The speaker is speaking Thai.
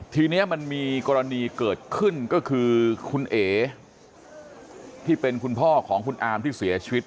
ทีนี้มันมีกรณีเกิดขึ้นก็คือคุณเอ๋ที่เป็นคุณพ่อของคุณอามที่เสียชีวิต